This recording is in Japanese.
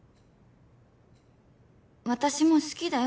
私も好きだよ